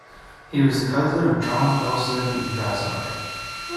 He was a cousin of John Ellison Vassar.